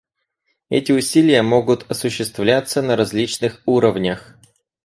Эти усилия могут осуществляться на различных уровнях.